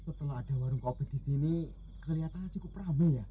setelah ada warung kopi di sini kelihatannya cukup rame ya